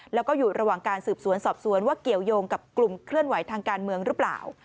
แล้วก็อยู่ระหว่างการสืบสวนสอบสวนว่าเกี่ยวยงกับกลุ่มเคลื่อนไหวทางการเมืองหรือเปล่า